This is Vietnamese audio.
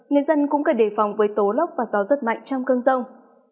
người dân cũng cần đề phòng với tố lốc và gió rất mạnh trong cơn rông